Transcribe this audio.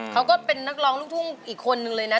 เค้าก็เป็นนักร้องลุ่มทุ่มอีกคนนึงเลยนะครับ